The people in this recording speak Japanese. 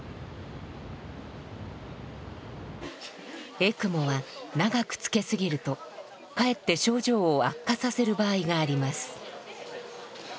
エクモは長くつけすぎるとかえって症状を悪化させる場合があります。